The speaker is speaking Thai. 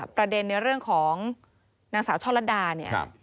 ประเด็นในเรื่องของนางสาวช่อลัดดาเนี่ย